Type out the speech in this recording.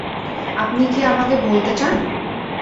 আপনি কি আমাকে বলতে চান?